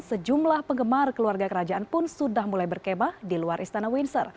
sejumlah penggemar keluarga kerajaan pun sudah mulai berkemah di luar istana windsor